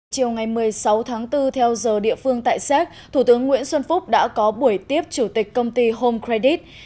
chiều ngày một mươi sáu tháng bốn theo giờ địa phương tại séc thủ tướng nguyễn xuân phúc đã có buổi tiếp chủ tịch công ty home credit